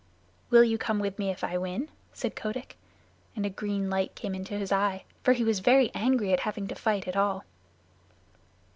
"Will you come with me if I win?" said Kotick. And a green light came into his eye, for he was very angry at having to fight at all.